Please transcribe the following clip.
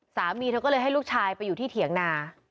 สามีเธอก็เลยให้ลูกชายไปอยู่ที่เถียงนา